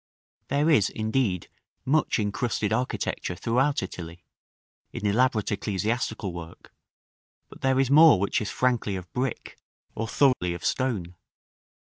There is, indeed, much incrusted architecture throughout Italy, in elaborate ecclesiastical work, but there is more which is frankly of brick, or thoroughly of stone.